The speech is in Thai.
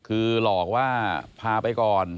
คือหลอกว่าพาไปก่อน